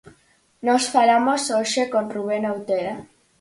Nós falamos hoxe con Rubén Outeda.